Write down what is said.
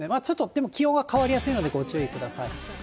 ちょっと、でも気温は変わりやすいのでご注意ください。